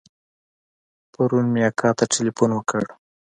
پرون مې اکا ته ټېلفون وکړ.